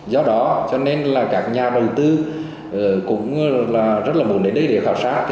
do đó cho nên là các nhà đầu tư cũng rất là muốn đến đây để khảo sát